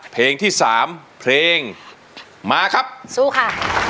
เพลงที่สามเพลงมาครับสู้ค่ะ